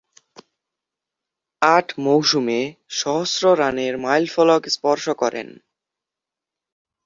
আট মৌসুমে সহস্র রানের মাইলফলক স্পর্শ করেন।